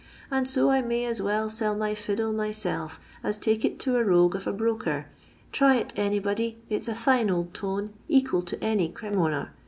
And so I may as well sell my old fiddle myself as take it to a rogue of a broker. Try it anybody, it 's a fine old tone, equal to any Cremonar.